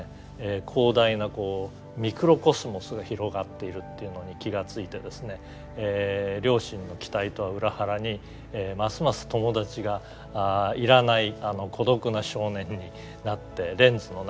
広大なミクロコスモスが広がっているっていうのに気が付いてですね両親の期待とは裏腹にますます友達がいらない孤独な少年になってレンズの中に吸い込まれてしまっていたんですね。